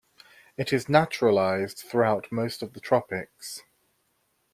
It is naturalized throughout most of the tropics.